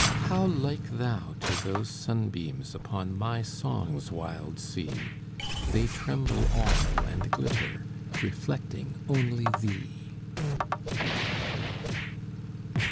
How like thou to those sunbeams Upon my song's wild sea; They tremble all and glitter, Reflecting only thee.